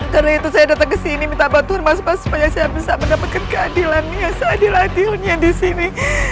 karena itu saya datang ke sini minta bantuan mas mas supaya saya bisa mendapatkan keadilan yang seadilatilnya di sini